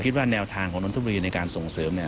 แนวทางของนนทบุรีในการส่งเสริมเนี่ย